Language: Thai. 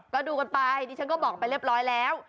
ก็ดูกันไปดิฉันก็บอกไปเรียบร้อยแล้ว